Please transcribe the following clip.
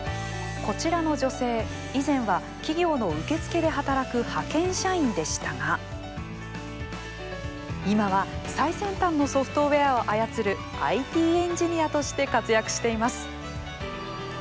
こちらの女性、以前は企業の受付で働く派遣社員でしたが今は最先端のソフトウェアを操るＩＴエンジニアとして活躍しています。